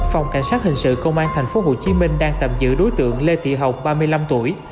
phòng cảnh sát hình sự công an tp hcm đang tạm giữ đối tượng lê thị hồng ba mươi năm tuổi